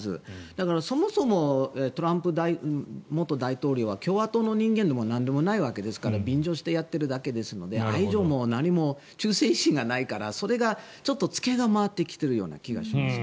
だからそもそもトランプ元大統領は共和党の人間でもなんでもないわけですから便乗してやっているだけですので愛情も何も忠誠心がないからそれがちょっと付けが回ってきているような気がします。